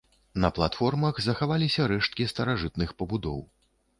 На платформах захаваліся рэшткі старажытных пабудоў.